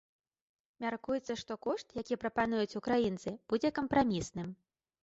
Мяркуецца, што кошт, які прапануюць украінцы, будзе кампрамісным.